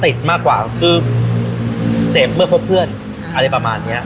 มากกว่าคือเสพเมื่อพบเพื่อนอะไรประมาณเนี้ย